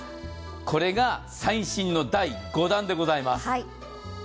これが最新の第５弾でございます。